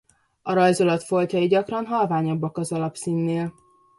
A rajzolat foltjai gyakran halványabbak az alapszínnél.